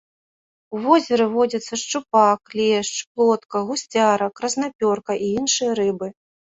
У возеры водзяцца шчупак, лешч, плотка, гусцяра, краснапёрка і іншыя рыбы.